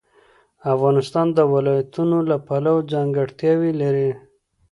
افغانستان د ولایتونو له پلوه ځانګړتیاوې لري.